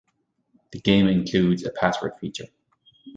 The game includes a password feature.